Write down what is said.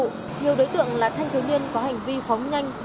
nhiều đối tượng là thanh thiếu niên có hành vi phóng nhanh